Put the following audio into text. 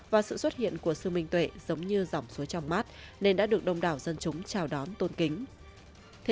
và sự xuất hiện của sương minh tuệ giống như dòng suối trong mát nên đã được đông đảo dân chúng chào đón tôn kính